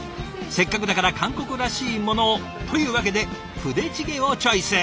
せっかくだから韓国らしいものをというわけでプデチゲをチョイス。